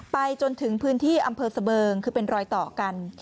ไปจนถึงพื้นที่อำเภอเสบิงคือเป็นรอยต่อกัน